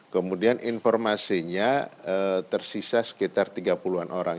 kemudian informasinya tersisa sekitar tiga puluh an orang